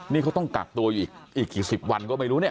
นี่เขาต้องกักตัวอีกกี่สิบวันก็ไม่รู้เนี่ย